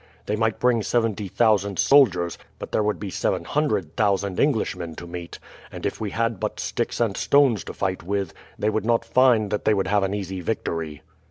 They might bring seventy thousand soldiers, but there would be seven hundred thousand Englishmen to meet; and if we had but sticks and stones to fight with, they would not find that they would have an easy victory."